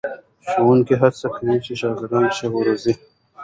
ښوونکي هڅه کوي چې شاګردان ښه وروزي.